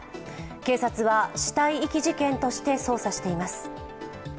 警察は死体遺棄事件として捜査しています。